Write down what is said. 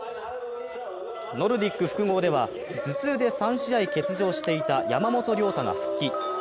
ノルディック複合では、頭痛で３試合欠場していた山本涼太が復帰。